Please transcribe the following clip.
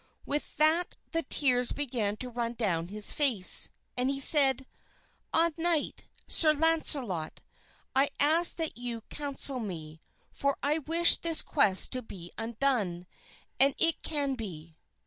With that the tears began to run down his face, and he said, "Ah! knight, Sir Launcelot! I ask that you counsel me, for I wish this quest to be undone, and it can be."